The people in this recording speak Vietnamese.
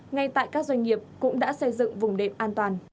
ngay tại các doanh nghiệp cũng đã xây dựng vùng đệm an toàn